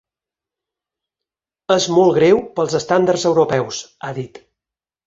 És molt greu pels estàndards europeus, ha dit.